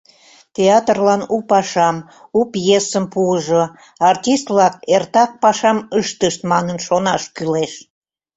Театрлан у пашам, у пьесым пуыжо, артист-влак эртак пашам ыштышт манын шонаш кӱлеш.